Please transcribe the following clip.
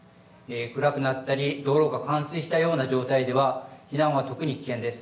暗くなったり道路が冠水したような状態では避難は特に危険です。